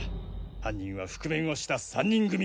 犯人は覆面をした３人組。